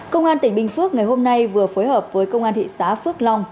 công an tỉnh bình phước ngày hôm nay vừa phối hợp với công an thị xã phước long